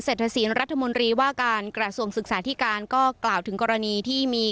เศรษฐศีลรัฐมนตรีว่าการกระทรวงศึกษาธิการก็กล่าวถึงกรณีที่มี